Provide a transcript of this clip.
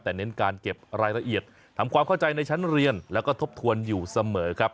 แต่เน้นการเก็บรายละเอียดทำความเข้าใจในชั้นเรียนแล้วก็ทบทวนอยู่เสมอครับ